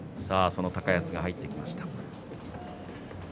その高安が入ってきました。